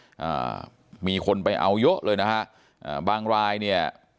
อ่ามีคนไปเอาเยอะเลยนะฮะอ่าบางรายเนี่ย